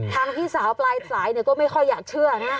พี่สาวปลายสายก็ไม่ค่อยอยากเชื่อนะ